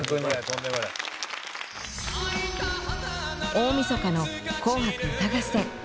大みそかの「紅白歌合戦」。